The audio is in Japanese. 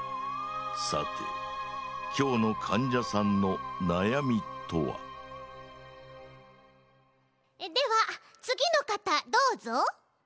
さてきょうのかんじゃさんのなやみとは？ではつぎのかたどうぞ。